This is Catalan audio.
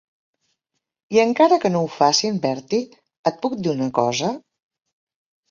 I encara que no ho facin, Bertie, et puc dir una cosa?